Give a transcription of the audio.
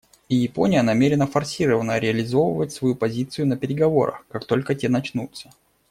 И Япония намерена форсировано реализовывать свою позицию на переговорах, как только те начнутся.